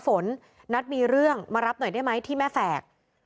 ฝนนัดมีเรื่องมารับหน่อยได้ไหมที่แม่แฝก